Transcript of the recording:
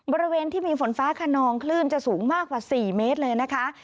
บริเวณที่มีฝนฟ้าขนองคลื่นจะสูงมากกว่า๔เมตรเลยนะคะ